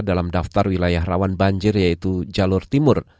dalam daftar wilayah rawan banjir yaitu jalur timur